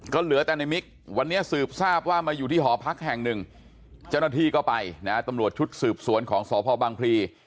ก็เหลือแต่ในมิกวันนี้สืบทราบว่ามาอยู่ที่หอพักแห่งหนึ่งเจ้าหน้าที่ก็ไปนะตำรวจชุดสืบสวนของสพบังพลี